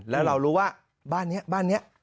แล้วเรารู้ว่าบ้านนี้บ้านนี้